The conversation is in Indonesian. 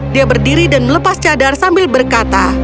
dia berdiri dan melepas cadar sambil berkata